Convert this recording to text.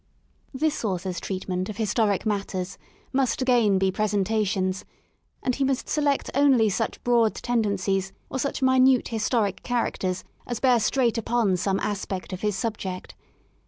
This author's treatment of historic matters must xii INTRODUCTORY again be '* presentations"; and he must select only such broad tendencies, or such minute historic char acters as bear straight upon some aspect of his subject.